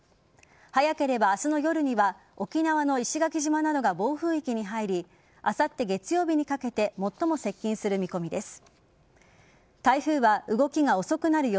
早ければ明日の夜には沖縄の石垣島などが暴風域に入りあさって月曜日にかけて最も接近する見込みです。